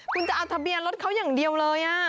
คุณจะเอาทะเบียนรถเขาอย่างเดียวเลย